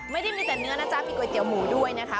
ไม่ได้มีแต่เนื้อนะจ๊ะมีก๋วหมูด้วยนะคะ